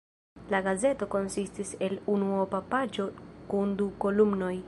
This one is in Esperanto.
La gazeto konsistis el unuopa paĝo kun du kolumnoj.